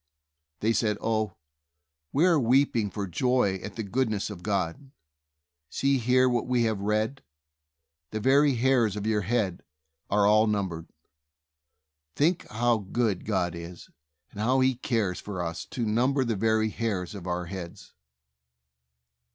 They said, "Oh, we are weeping for joy at the goodness of God ! See here what we have read : 'The very hairs of your head are all numbered.' Think how good God is, and how He cares for us to number the very hairs of our heads."